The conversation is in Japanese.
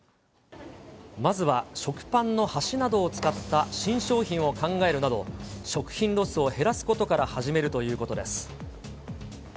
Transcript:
まずは食パンの端などを使った新商品を考えるなど、食品ロスを減らすことから始めるということです。